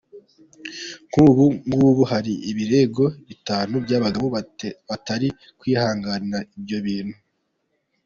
Nk’ubu ngubu hari ibirego bitanu by’abagabo batari kwihanganira ibyo bintu.